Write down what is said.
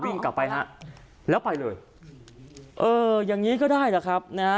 วิ่งกลับไปฮะแล้วไปเลยเอออย่างนี้ก็ได้แหละครับนะฮะ